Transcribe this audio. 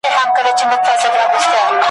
پښتو متلونه `